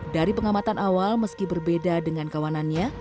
dari pengamatan awal meski berbeda dengan kawanannya